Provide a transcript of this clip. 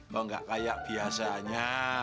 kok nggak kayak biasanya